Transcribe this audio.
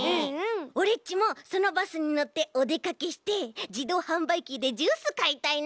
オレっちもそのバスにのっておでかけしてじどうはんばいきでジュースかいたいな。